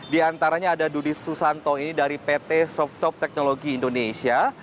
di antaranya ada dudis susanto ini dari pt soft top technology indonesia